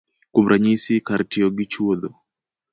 Kuom ranyisi, kar tiyo gi chuodho